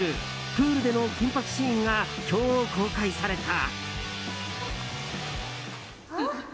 プールでの緊迫シーンが今日、公開された。